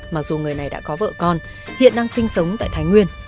mặc dù người này đã có vợ con hiện đang sinh sống tại thái nguyên